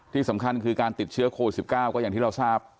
ที่สำคัญคือการติดเชื้อโควิด๑๙ก็อย่างที่เราทราบ